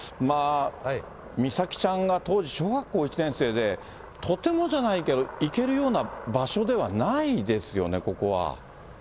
美咲ちゃんが当時小学校１年生で、とてもじゃないけど、行けるような場所ではないですよね、ここは。